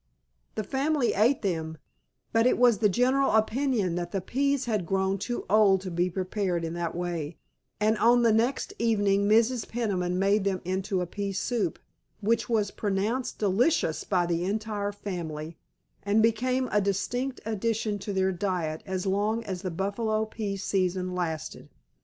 The family ate them, but it was the general opinion that the peas had grown too old to be prepared in that way, and on the next evening Mrs. Peniman made them into a pea soup, which was pronounced delicious by the entire family, and became a distinct addition to their diet as long as the buffalo pea season lasted.